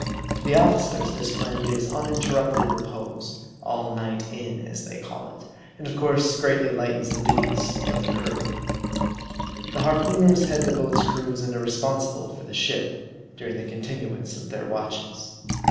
To the officers, this plan gives uninterrupted re pose " all night in," as they call it, and of course greatly lightens the duties of the crew. The harpooneers head the boats' crews, and are responsible for the ship during the continuance of their watches.